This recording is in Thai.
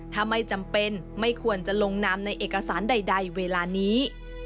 ถ้าไม่จำเป็นไม่ควรจะลงนามในเอกสารใดเวลานี้